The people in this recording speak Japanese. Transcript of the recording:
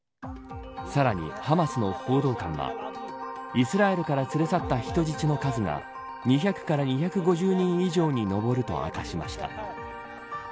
さらに、ハマスの報道官はイスラエルから連れ去った人質の数が２００から２５０人以上に上ると明かしました。